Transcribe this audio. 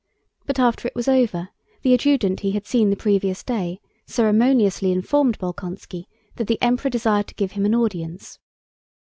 But after it was over, the adjutant he had seen the previous day ceremoniously informed Bolkónski that the Emperor desired to give him an audience.